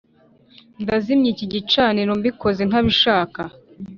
ndakazimya iki gicaniro mbikoze ntabishaka"